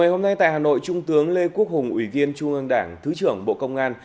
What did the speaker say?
ngày hôm nay tại hà nội trung tướng lê quốc hùng ủy viên trung ương đảng thứ trưởng bộ công an